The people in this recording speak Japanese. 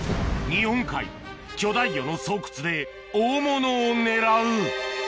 日本海巨大魚の巣窟で大物を狙う！